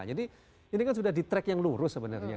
jadi ini kan sudah di track yang lurus sebenarnya